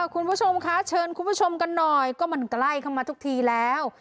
คุณผู้ชมคะเชิญคุณผู้ชมกันหน่อยก็มันใกล้เข้ามาทุกทีแล้ว